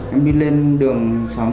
em đi lên đường